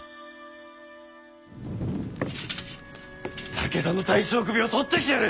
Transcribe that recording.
武田の大将首を取ってきてやる！